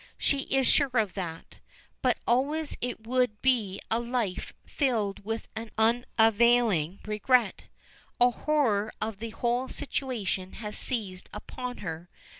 She is sure of that but always it would be a life filled with an unavailing regret. A horror of the whole situation has seized upon her.